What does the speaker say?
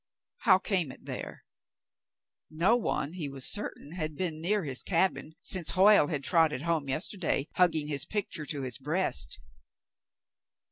How came it there ? No one, he was certain, had been near his cabin since Hoyle had trotted home yesterday, hugging his picture to his breast.